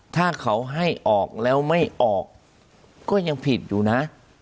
ถ้าเขาให้ออกแล้วไม่ออกก็ยังผิดอยู่นะ